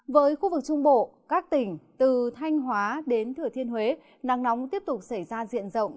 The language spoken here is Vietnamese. với khu vực trung bộ các tỉnh từ thanh hóa đến thừa thiên huế nắng nóng tiếp tục xảy ra diện rộng